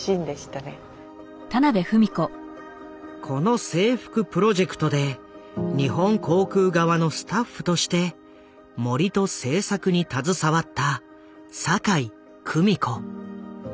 この制服プロジェクトで日本航空側のスタッフとして森と制作に携わった酒井久美子。